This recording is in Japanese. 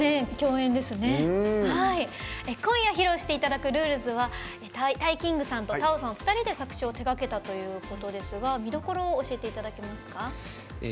今夜、披露していただく「Ｒｕｌｅｓ」はＴＡＩＫＩＮＧさんと太鳳さんの２人で作詞を手がけたということですが見どころを教えていただけますか。